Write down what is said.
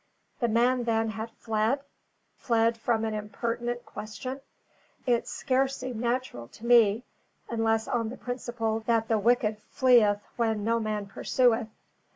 The man, then, had fled? fled from an impertinent question? It scarce seemed natural to me; unless on the principle that the wicked fleeth when no man pursueth.